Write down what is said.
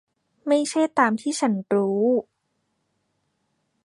ไม่ใช่ตามที่ฉันรู้